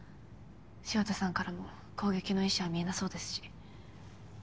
潮田さんからも攻撃の意思は見えなそうですし。